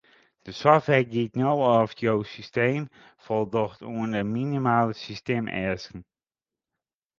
De software giet nei oft jo systeem foldocht oan de minimale systeemeasken.